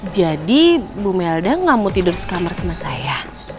jadi bu melda nggak mau tidur sekamar sama saya